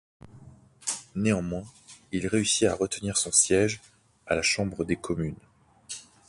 Néanmoins, il réussit à retenir son siège à la Chambre des communes.